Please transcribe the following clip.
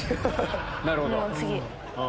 なるほど。